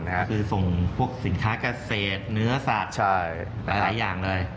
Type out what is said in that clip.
คือส่งพวกสินค้าเกษตรเนื้อสัตว์หลายอย่างเลย